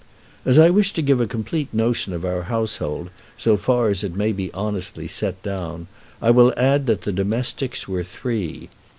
As I wish to give a complete notion of our household, so far as it may be honestly set down, I will add that the domestics were three.